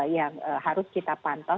yang harus kita pantau